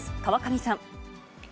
川上さん。